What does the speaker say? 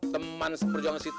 teman perjuangan si topan